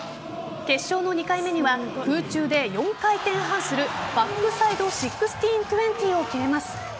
決勝の２回目には空中で４回転半するバックサイド１６２０を決めます。